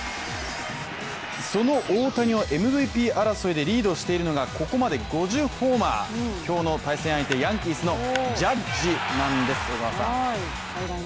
その大谷をＭＶＰ争いでリードしているのがここまで５０ホーマー、今日の対戦相手ヤンキースのジャッジなんです。